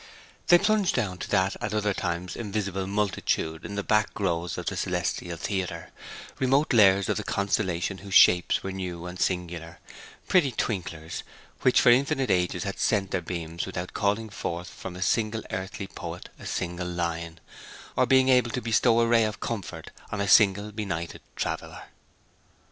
They plunged down to that at other times invisible multitude in the back rows of the celestial theatre: remote layers of constellations whose shapes were new and singular; pretty twinklers which for infinite ages had spent their beams without calling forth from a single earthly poet a single line, or being able to bestow a ray of comfort on a single benighted traveller.